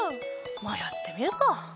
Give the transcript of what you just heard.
まぁやってみるか。